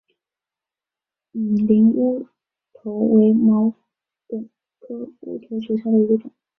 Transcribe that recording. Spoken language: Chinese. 米林乌头为毛茛科乌头属下的一个种。